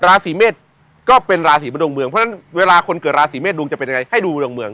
ราศีเมษก็เป็นราศีบนดวงเมืองเพราะฉะนั้นเวลาคนเกิดราศีเมษดวงจะเป็นยังไงให้ดูดวงเมือง